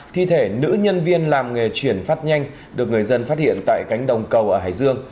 thi thể nữ nhân viên làm nghề chuyển phát nhanh được người dân phát hiện tại cánh đồng cầu ở hải dương